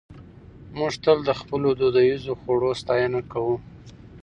موږ تل د خپلو دودیزو خوړو ستاینه کوو.